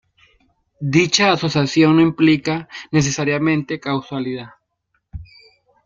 Dicha asociación no implica necesariamente causalidad.